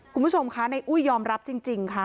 คุณผู้ชมคะในอุ้ยยอมรับจริงค่ะ